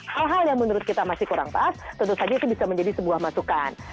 hal hal yang menurut kita masih kurang pas tentu saja itu bisa menjadi sebuah masukan